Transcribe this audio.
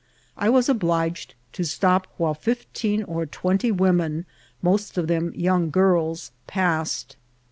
I was obliged to stop while fifteen or twenty women, most of them young girls, passed.